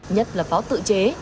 nhất là pháo tự chế